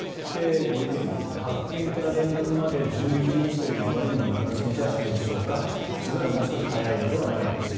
ご意見ですが発見から連絡まで１１日というのはあまりにも長すぎじゃないでしょうか普通ならもう少し早いのではないですか。